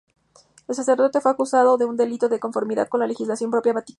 El sacerdote fue acusado de un delito de conformidad con la legislación propia vaticana.